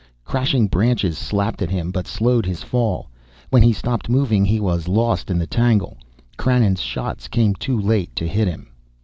Crashing branches slapped at him, but slowed his fall. When he stopped moving he was lost in the tangle. Krannon's shots came too late to hit him.